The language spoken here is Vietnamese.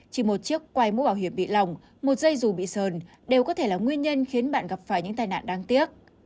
chỉ một chiếc quai mũ bảo hiểm bị lỏng một dây dù bị sờn đều có thể là nguyên nhân khiến bạn gặp phải những tai nạn đáng tiếc